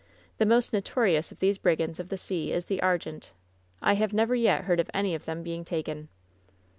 The most notorious of these brigands of *2 WHEN SHADOWS DIE the sea is the Argente, I have never yet heard of any of them being taken."